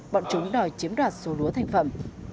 bọn chúng đòi chiếm đoạt số lúa thành phẩm